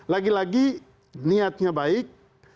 lagi lagi niatnya baik